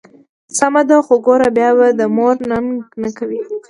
سمه ده، خو ګوره بیا به د مور ننګه نه کوې.